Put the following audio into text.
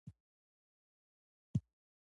نورګل کاکا : نه تر کله يې چې کورنۍ خبره نه وي